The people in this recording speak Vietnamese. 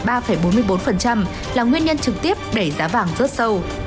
là nguyên nhân trực tiếp đẩy giá vàng rớt sâu